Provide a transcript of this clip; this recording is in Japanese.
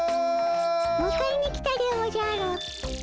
むかえに来たでおじゃる。